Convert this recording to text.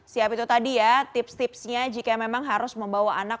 siap itu tadi ya tips tipsnya jika memang harus membawa anak